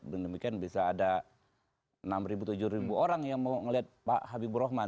demikian bisa ada enam tujuh orang yang mau melihat pak habibur rahman